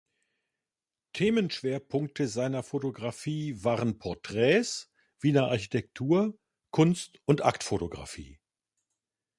Themenschwerpunkte seiner Fotografie waren Porträts, Wiener Architektur, Kunst- und Aktfotografie.